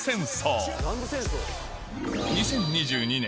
２０２２年